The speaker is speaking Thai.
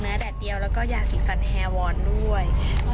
มาส่งหนูแดดเดียวแล้วก็ยาสีฟันแฮวอร์ดด้วย